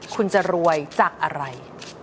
คุณจะรวยจากอะไร